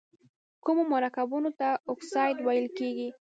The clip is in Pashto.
کومو مرکبونو ته اکساید ویل کیږي؟